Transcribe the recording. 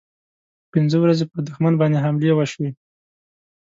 پنځه ورځې پر دښمن باندې حملې وشوې.